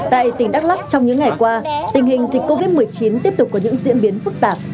tại tỉnh đắk lắc trong những ngày qua tình hình dịch covid một mươi chín tiếp tục có những diễn biến phức tạp